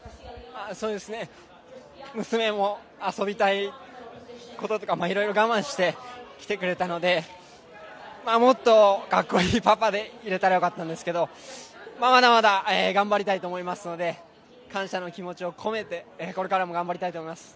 そうですね娘も遊びたいこととかいろいろ我慢して来てくれたのでもっとかっこいいパパでいれたらよかったんですけどまだまだ頑張りたいと思いますので、感謝の気持ちを込めてこれからも頑張りたいと思います。